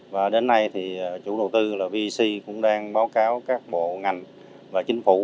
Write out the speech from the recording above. và đến nay thì chủ đầu tư là vec cũng đang báo cáo các bộ ngành và chính phủ